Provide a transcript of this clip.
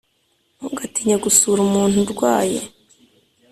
Ntugatinye gusura umuntu urwaye,